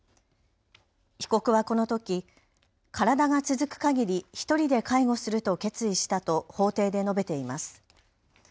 被告はこのとき体が続くかぎり１人で介護すると決意したと法廷で述べています。